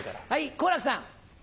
好楽さん。